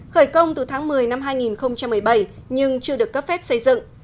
khởi công từ tháng một mươi năm hai nghìn một mươi bảy nhưng chưa được cấp phép xây dựng